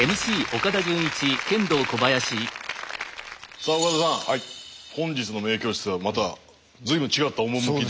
さあ岡田さん本日の「明鏡止水」はまた随分違った趣で。